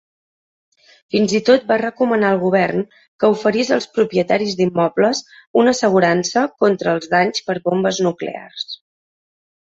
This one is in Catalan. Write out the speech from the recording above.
Fins i tot va recomanar al govern que oferís als propietaris d'immobles una assegurança contra els danys per bombes nuclears.